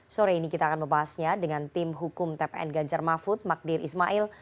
sore ini kita akan membahasnya dengan tim hukum tpn ganjar mahfud magdir ismail